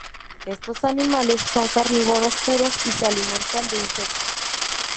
Estos animales son carnívoros puros y se alimentan de insectos.